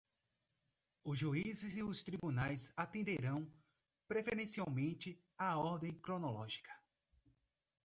Os juízes e os tribunais atenderão, preferencialmente, à ordem cronológica